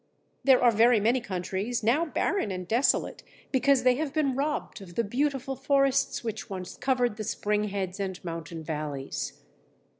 There are very many countries now barren and desolate because they have been robbed of the beautiful forests which once covered the springheads and mountain valleys.